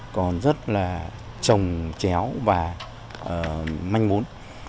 còn rất là trồng chéo và manh mốn